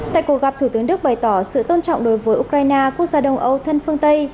tại cuộc gặp thủ tướng đức bày tỏ sự tôn trọng đối với ukraine quốc gia đông âu thân phương tây